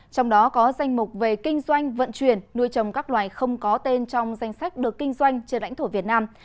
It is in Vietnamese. trong đó có danh mục về kinh doanh vận chuyển nuôi trồng các loài không có tên trong danh sách được kinh doanh trên lãnh thổ việt nam